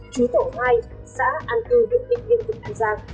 chú tổ hai xã an tư được định liên tục an giang